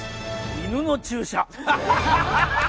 犬の注射。